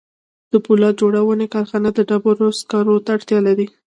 د پولاد جوړونې کارخانه د ډبرو سکارو ته اړتیا لري